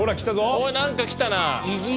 おい何か来たな。